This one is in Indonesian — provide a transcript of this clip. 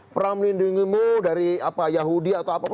perang melindungimu dari yahudi atau apapun